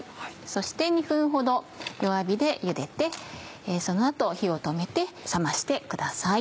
そして２分ほど弱火でゆでてその後火を止めて冷ましてください。